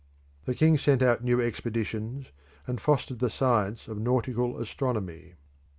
The king sent out new expeditions and fostered the science of nautical astronomy.